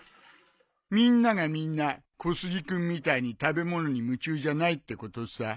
みんながみんな小杉君みたいに食べ物に夢中じゃないってことさ。